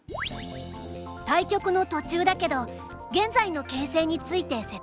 対局の途中だけど現在の形勢について説明するね。